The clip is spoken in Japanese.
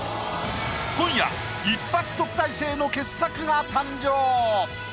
今夜一発特待生の傑作が誕生！